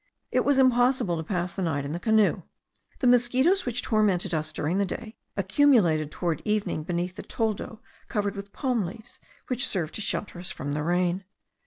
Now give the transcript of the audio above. It was impossible to pass the night in the canoe; the mosquitos, which tormented us during the day, accumulated toward evening beneath the toldo covered with palm leaves, which served to shelter us from the rain.